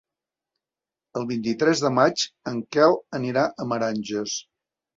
El vint-i-tres de maig en Quel anirà a Meranges.